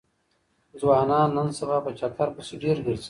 ځوانان نن سبا په چکر پسې ډېر ګرځي.